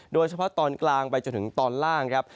โดยเฉพาะตอนกลางไปจนถึงตอนล่างครับ